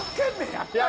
やった。